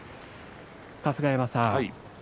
春日山さん。